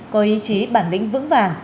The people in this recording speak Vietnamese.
có ý chí bản lĩnh vững vàng